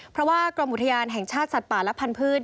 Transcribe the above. เพราะว่ากรมอุทยานแห่งชาติสัตว์ป่าและพันธุ์